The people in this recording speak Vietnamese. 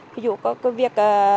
ví dụ có việc